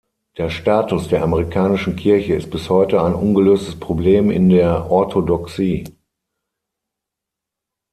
Der Status der amerikanischen Kirche ist bis heute ein ungelöstes Problem in der Orthodoxie.